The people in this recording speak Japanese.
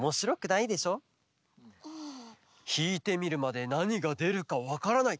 ひいてみるまでなにがでるかわからない。